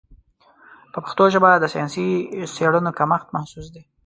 په پښتو ژبه د ساینسي څېړنو کمښت محسوس دی.